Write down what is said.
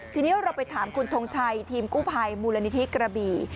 ทีนี้เราไปถามคุณทงชัยทีมกู้ภัยมูลนิธิกระบี่